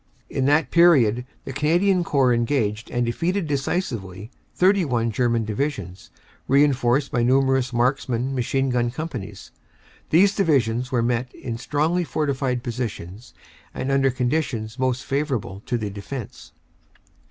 "In that period the Canadian Corps engaged and defeated decisively 31 German Divisions, reinforced by numerous Marksmen Machine Gun Companies. These Divisions were met in strongly fortified positions and under conditions most favorable to the defense.